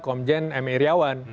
komjen m i iriawan